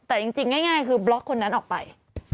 แต่จริงง่ายคือบล็อกคนนั้นออกไป